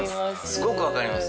すごく分かります。